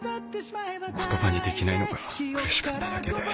言葉にできないのが苦しかっただけで。